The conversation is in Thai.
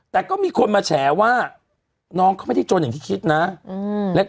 แต่ก็มีคนมาแฉว่าน้องเขาไม่ได้จนอย่างที่คิดนะ